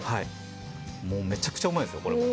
めちゃくちゃうまいですよこれも。